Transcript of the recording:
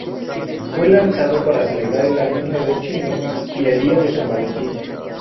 Fue lanzado para celebrar el Año Nuevo Chino y el Día de San Valentín.